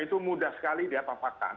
itu mudah sekali diapa apakan